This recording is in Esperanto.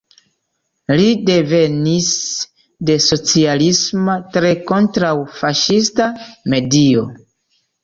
Li devenis de socialisma, tre kontraŭ-faŝista medio.